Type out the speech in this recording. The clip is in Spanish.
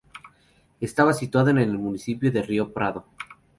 Estaba situado en el municipio de Rio Pardo.